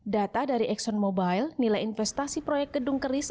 data dari exxon mobil nilai investasi proyek gedung keris